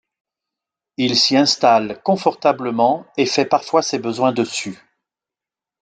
Il s'y installe confortablement et fait parfois ses besoins dessus.